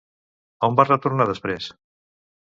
On va retornar després?